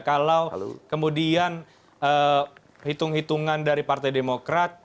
kalau kemudian hitung hitungan dari partai demokrat